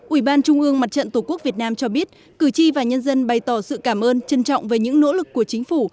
ủy ban trung ương mặt trận tổ quốc việt nam cho biết cử tri và nhân dân bày tỏ sự cảm ơn trân trọng về những nỗ lực của chính phủ